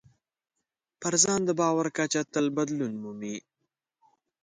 په ځان د باور کچه تل بدلون مومي.